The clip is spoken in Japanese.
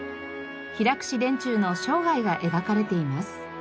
平櫛田中の生涯が描かれています。